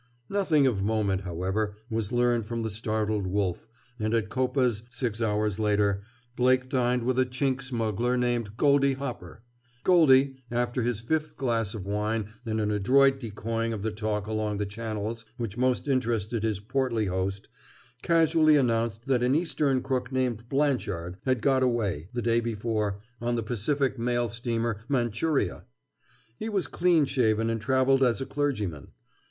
Nothing of moment, however, was learned from the startled Wolf, and at Coppa's six hours later, Blake dined with a Chink smuggler named Goldie Hopper. Goldie, after his fifth glass of wine and an adroit decoying of the talk along the channels which most interested his portly host, casually announced that an Eastern crook named Blanchard had got away, the day before, on the Pacific mail steamer Manchuria. He was clean shaven and traveled as a clergyman.